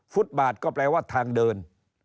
ฟุตบาทก็แปลว่าทางเดิน